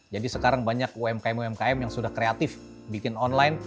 jadi sekarang banyak umkm umkm yang sudah kreatif bikin online